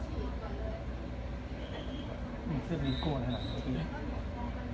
อ๋อตั๊มโหลดมา